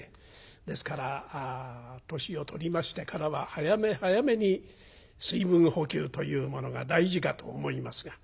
ですから年を取りましてからは早め早めに水分補給というものが大事かと思いますが。